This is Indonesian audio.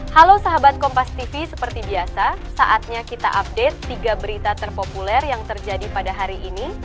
halo sahabat kompas tv seperti biasa saatnya kita update tiga berita terpopuler yang terjadi pada hari ini